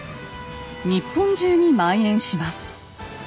日本中に蔓延します。